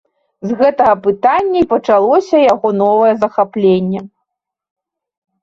З гэтага пытання і пачалося яго новае захапленне.